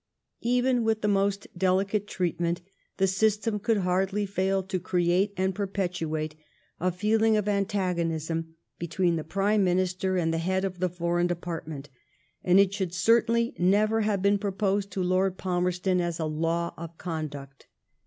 Even with the most delicate treatment, the system could hardly fail to create and perpetuate a feel ing of antagonism between the Prime Minister and the head of the Foreign Department, and it should certainly never have been proposed to Lord Palmerston as a law of conduct.